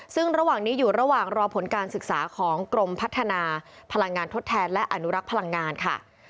ซึ่งระหว่างนี้อยู่ระหว่างรอผลการศึกษาของกรมพัฒนาพลังงานทดแทนและอนุรักษ์พลังงานค่ะ